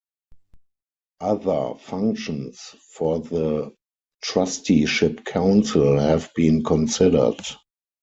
Other functions for the Trusteeship Council have been considered.